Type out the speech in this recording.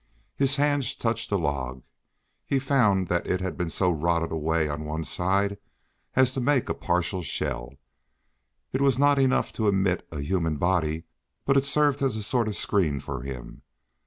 His hands touched a log. He found that it had so rotted away on one side as to make a partial shell. It was not enough to admit a human body, but it served as a sort of screen for him.